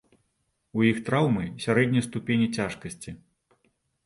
У іх траўмы сярэдняй ступені цяжкасці.